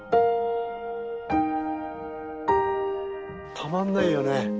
たまんないよね。